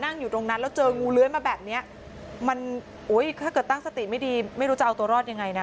อยู่ตรงนั้นแล้วเจองูเลื้อยมาแบบเนี้ยมันถ้าเกิดตั้งสติไม่ดีไม่รู้จะเอาตัวรอดยังไงนะ